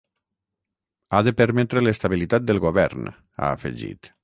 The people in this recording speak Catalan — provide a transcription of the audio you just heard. Ha de permetre l’estabilitat del govern, ha afegit.